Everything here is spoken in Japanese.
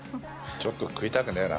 ちょっと食いたくねえな。